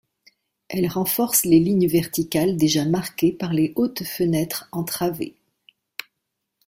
Elles renforcent les lignes verticales déjà marquées par les hautes fenêtres en travée.